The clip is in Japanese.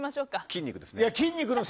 筋肉ですね。